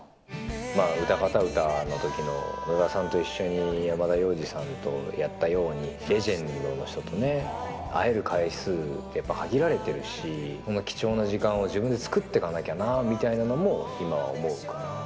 うたかた歌のときの野田さんと一緒に山田洋次さんとやったように、レジェンドの人とね、会える回数ってやっぱ限られてるし、その貴重な時間を自分で作ってかなきゃみたいなのも今は思うかな。